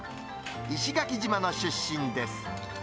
石垣島の出身です。